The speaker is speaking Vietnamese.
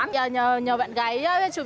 kiểu vui vui không